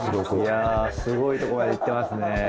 すごいとこまで行ってますね。